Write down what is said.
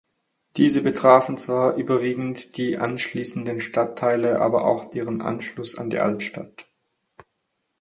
Diese betrafen zwar überwiegend die anschließenden Stadtteile aber auch deren Anschluss an die Altstadt.